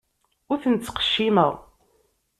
Ur ten-ttqeccimeɣ.